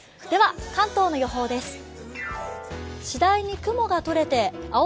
関東の予報です。